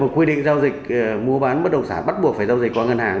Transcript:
quy định giao dịch mua bán bất động sản bắt buộc phải giao dịch qua ngân hàng